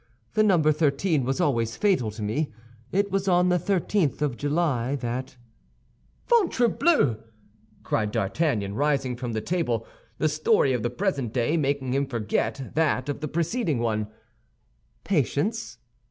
The number thirteen was always fatal to me; it was on the thirteenth of July that—" "Ventrebleu!" cried D'Artagnan, rising from the table, the story of the present day making him forget that of the preceding one. "Patience!"